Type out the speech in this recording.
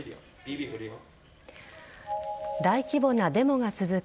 大規模なデモが続く